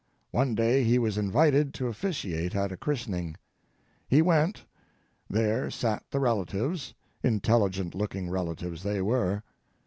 One day he was invited to officiate at a christening. He went. There sat the relatives—intelligent looking relatives they were.